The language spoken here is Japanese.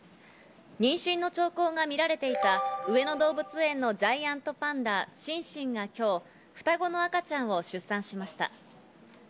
妊娠の兆候が見られていた上野動物園のジャイアントパンダ・シンシンが今日双子の赤ちゃんを出産しました。